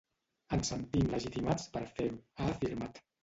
“Ens sentim legitimats per fer-ho”, ha afirmat.